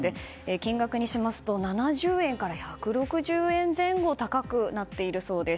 金額にしますと７０円から１６０円前後高くなっているそうです。